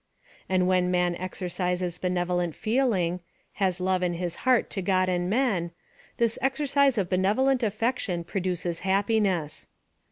And when man exercises benevolent feeling — has love in his heart to God and men, this exercise of benevolent affection produces happiness.